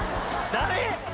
誰？